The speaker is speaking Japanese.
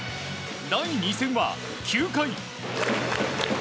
第２戦は、９回。